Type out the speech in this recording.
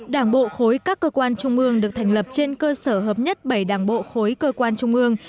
đảng bộ khối các cơ quan trung ương được thành lập trên cơ sở hợp nhất bảy đảng bộ khối cơ quan trung ương